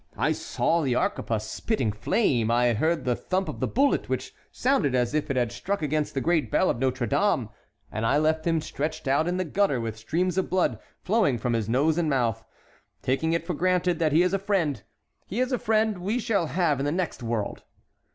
I saw the arquebuse spitting flame, I heard the thump of the bullet, which sounded as if it had struck against the great bell of Notre Dame, and I left him stretched out in the gutter with streams of blood flowing from his nose and mouth. Taking it for granted that he is a friend, he is a friend we shall have in the next world."